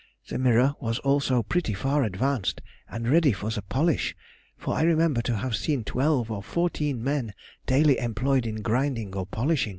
The mirror was also pretty far advanced, and ready for the polish, for I remember to have seen twelve or fourteen men daily employed in grinding or polishing.